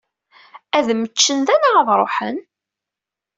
Ad mmeččen da neɣ ad ṛuḥen?